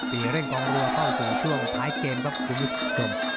ตีเร่งกองเรือเข้าสู่ช่วงท้ายเกม